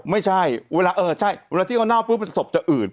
ไม่ใช่เวลาเออใช่เวลาที่เขาเน่าปุ๊บเป็นศพจะอืด